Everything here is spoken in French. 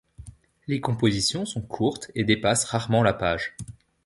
Les compositions sont courtes et dépassent rarement la page.